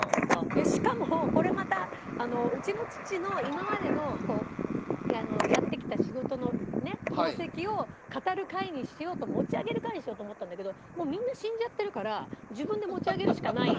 でしかもこれまたうちの父の今までのやってきた仕事の功績を語る会にしようと持ち上げる会にしようと思ったんだけどもうみんな死んじゃってるから自分で持ち上げるしかない。